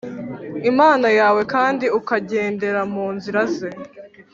imana yawe kandi ukagendera mu nzira ze